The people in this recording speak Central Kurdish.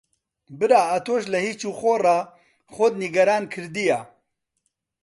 برا ئەتووش لە هیچ و خۆڕا خۆت نیگەران کردییە.